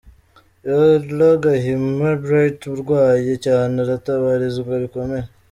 Ella Gahima Bright urwaye cyane aratabarizwa bikomeye.